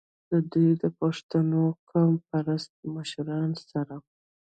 د دوي د پښتنو قام پرست مشرانو سره